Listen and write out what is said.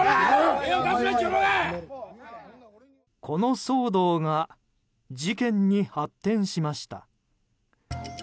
この騒動が事件に発展しました。